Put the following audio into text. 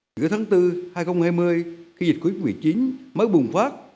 giữa tháng bốn hai nghìn hai mươi khi dịch covid một mươi chín mới bùng phát